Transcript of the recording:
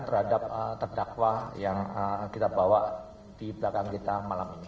terhadap terdakwa yang kita bawa di belakang kita malam ini